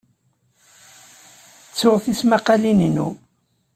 Ttuɣ tismaqqalin-inu.